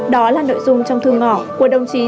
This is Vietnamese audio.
đó là nội dung trong thư ngỏ của đồng chí